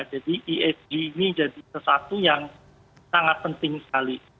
jadi esg ini jadi sesuatu yang sangat penting sekali